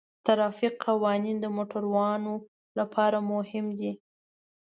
د ترافیک قوانین د موټروانو لپاره مهم دي.